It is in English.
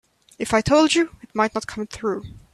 If I told you it might not come true.